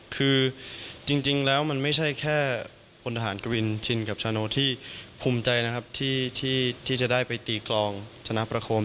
คือจริงแล้วมันไม่ใช่แค่พลทหารกวินชินกับชาโนที่ภูมิใจนะครับที่จะได้ไปตีกรองชนะประคม